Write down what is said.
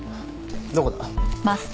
どこだ？